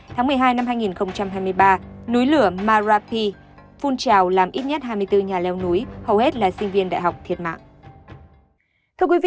tháng một mươi hai năm hai nghìn hai mươi ba núi lửa marapi phun trào làm ít nhất hai mươi bốn nhà leo núi hầu hết là sinh viên đại học thiệt mạng